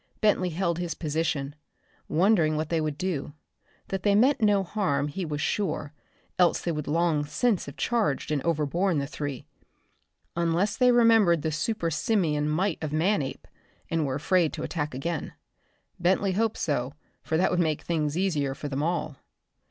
Bentley held his position, wondering what they would do. That they meant no harm he was sure, else they would long since have charged and overborne the three unless they remembered the super simian might of Manape and were afraid to attack again. Bentley hoped so, for that would make things easier for them all.